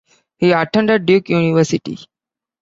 He attended Duke University.